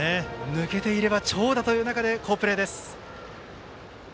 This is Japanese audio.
抜けていれば長打という中で、好プレーでした。